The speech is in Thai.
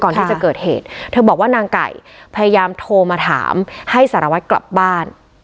ก่อนที่จะเกิดเหตุเธอบอกว่านางไก่พยายามโทรมาถามให้สารวัตรกลับบ้าน